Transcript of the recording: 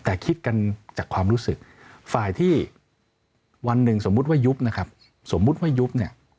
แต่คิดกันจากความรู้สึกฝ่ายที่วันหนึ่งสมมุติว่ายุบนะครับสมมุติว่ายุบเนี่ย